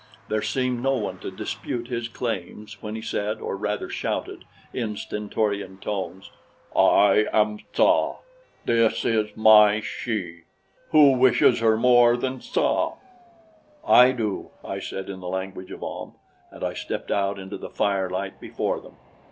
There seemed no one to dispute his claims when he said, or rather shouted, in stentorian tones: "I am Tsa. This is my she. Who wishes her more than Tsa?" "I do," I said in the language of Ahm, and I stepped out into the firelight before them.